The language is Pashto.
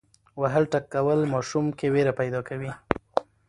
وهل ټکول ماشوم ویره پیدا کوي.